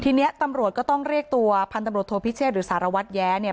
ทีนี้ตำรวจก็ต้องเรียกตัวพันตำรวจโทพิเชษหรือสารวัตรแย้เนี่ย